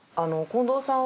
近藤さん）